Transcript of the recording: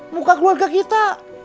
muka keluarga kita